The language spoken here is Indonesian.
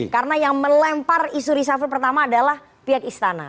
karena yang melempar isu risafir pertama adalah pihak istana